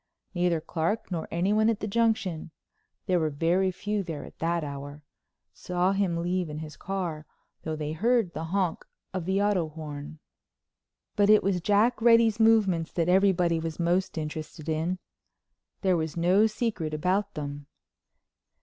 Neither Clark nor anyone at the Junction—there were very few there at that hour—saw him leave in his car, though they heard the honk of the auto horn. But it was Jack Reddy's movements that everybody was most interested in. There was no secret about them.